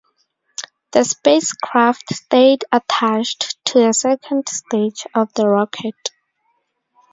The spacecraft stayed attached to the second stage of the rocket.